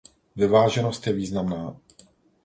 Vyváženost je významná.